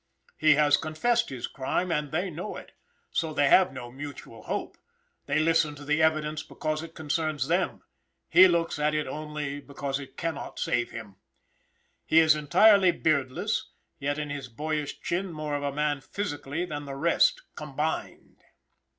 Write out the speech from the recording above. He has confessed his crime and they know it; so they have no mutual hope; they listen to the evidence because it concerns them; ho looks at it only, because it cannot save him. He is entirely beardless, yet in his boyish chin more of a man physically than the rest, combined.